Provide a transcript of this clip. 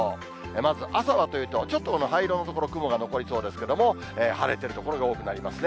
まず朝はというと、ちょっと灰色の所、雲が残りそうですけれども、晴れてる所が多くなりますね。